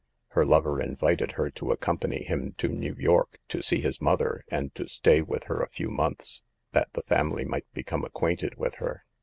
Her lover invited her to accompany him to New York to see his mother, and to stay with her a few months, that the family might become acquainted with her.